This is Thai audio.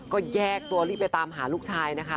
ก็แยกตัวรีบไปตามหาลูกชายนะคะ